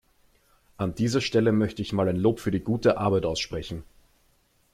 An dieser Stelle möchte ich mal ein Lob für die gute Arbeit aussprechen.